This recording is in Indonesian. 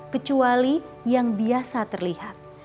kecuali yang biasa terlihat